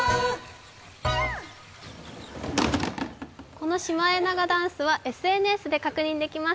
このシマエナガダンスはＳＮＳで確認できます。